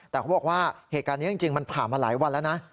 แต่เขาบอกว่าเหตุการณ์นี้จริงมันผ่านมาหลายวันแล้วนะ